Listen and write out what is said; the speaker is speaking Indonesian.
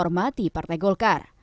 menghormati partai golkar